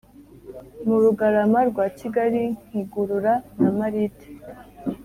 Mu Rugarama rwa Kigali nkigurura na Marite